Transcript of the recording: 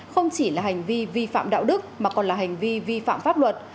không chỉ là hành vi vi phạm đạo đức mà còn là hành vi vi phạm pháp luật